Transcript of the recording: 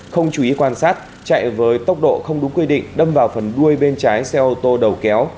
không chú ý quan sát chạy với tốc độ không đúng quy định đâm vào phần đuôi bên trái xe ô tô đầu kéo